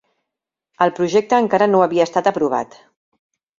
El projecte encara no havia estat aprovat.